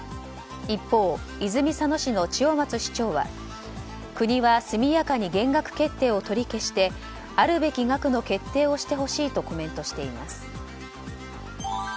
一方、泉佐野市の千代松市長は国は速やかに減額決定を取り消してあるべき額の決定をしてほしいとコメントしています。